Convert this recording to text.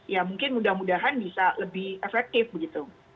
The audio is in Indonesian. ya mungkin mudah mudahan bisa lebih efektif begitu